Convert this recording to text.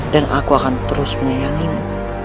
dan aku akan terus menyayangimu